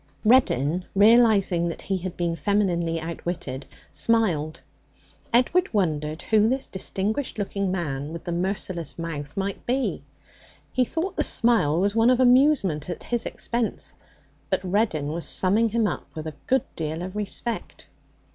Reddin, realizing that he had been femininely outwitted, smiled. Edward wondered who this distinguished looking man with the merciless mouth might be. He thought the smile was one of amusement at his expense. But Reddin was summing him up with a good deal of respect.